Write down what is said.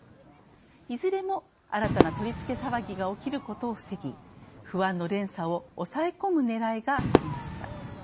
いずれも、新たな取り付け騒ぎが起きることを防ぎ不安の連鎖を抑え込むねらいがありました。